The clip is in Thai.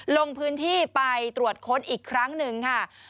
ลงพื้นที่ไปตรวจค้นอีกครั้งหนึ่งค่ะ